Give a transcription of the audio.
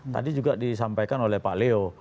tadi juga disampaikan oleh pak leo